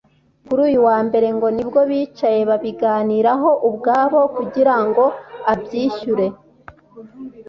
Kuri uyu wa Mbere ngo nibwo bicaye babiganiraho ubwabo kugira ngo abyishyure